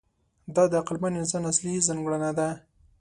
دا د عقلمن انسان اصلي ځانګړنه ده.